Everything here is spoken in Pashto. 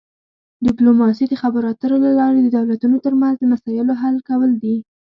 ډیپلوماسي د خبرو اترو له لارې د دولتونو ترمنځ د مسایلو حل کول دي